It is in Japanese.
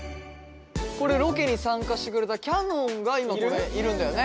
ロケに参加してくれたきゃのんが今ここにいるんだよね？